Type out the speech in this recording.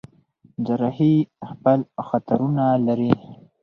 جراحي خپل خطرونه لري.